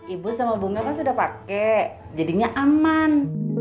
ibu sama bunga kan sudah pakai jadinya aman